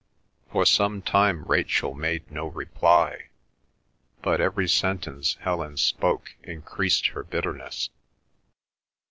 For some time Rachel made no reply; but every sentence Helen spoke increased her bitterness.